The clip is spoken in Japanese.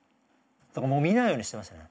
だからもう見ないようにしてましたね。